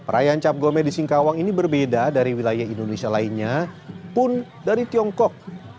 perayaan cap gome di singkawang ini berbeda dari wilayah indonesia lainnya pun dari tiongkok